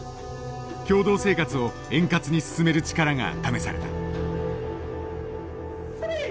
共同生活を円滑に進める力が試された。